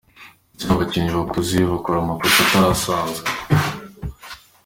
Ndetse n'abakinnyi bakuze bakora amakosa atari asanzwe.